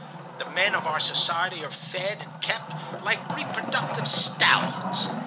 The men of our society are fed and kept like reproductive stallions.